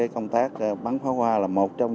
công tác bắn pháo hoa là một trong